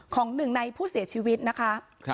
ของหนึ่งในผู้เสียชีวิตนะคะ